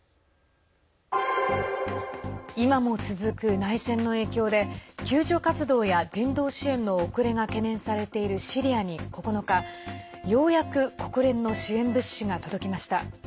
今も続く内戦の影響で救助活動や人道支援の遅れが懸念されているシリアに９日、ようやく国連の支援物資が届きました。